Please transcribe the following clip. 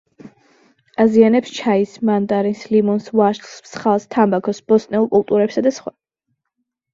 აზიანებს ჩაის, მანდარინს, ლიმონს, ვაშლს, მსხალს, თამბაქოს, ბოსტნეულ კულტურებსა და სხვა.